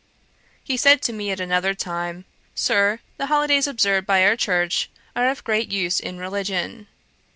He said to me at another time, 'Sir, the holidays observed by our church are of great use in religion.'